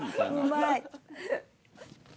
うまい。